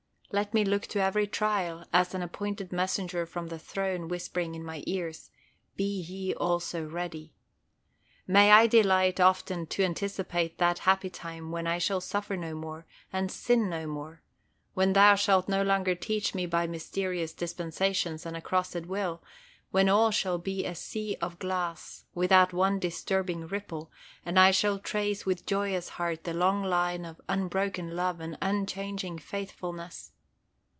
Let me look to every trial as an appointed messenger from the Throne whispering in my ears, "Be ye also ready!" May I delight often to anticipate that happy time when I shall suffer no more, and sin no more; when Thou shalt no longer teach me by mysterious dispensations and a crossed will; when all shall be "a sea of glass" without one disturbing ripple, and I shall trace with joyous heart the long line of unbroken love and unchanging faithfulness!